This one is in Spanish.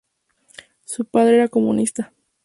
Su padre era comunista.